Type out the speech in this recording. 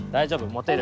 持てる？